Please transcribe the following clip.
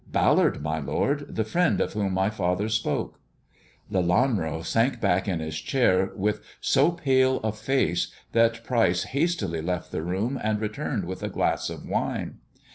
"Ballard, my lord. The friend of whom my father spoke.'' Lelanro sank back in his chair with so pale a face that Pryce hastily left the room, and returned with a glass of wine.